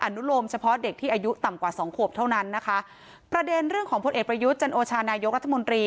อนุโลมเฉพาะเด็กที่อายุต่ำกว่าสองขวบเท่านั้นนะคะประเด็นเรื่องของพลเอกประยุทธ์จันโอชานายกรัฐมนตรี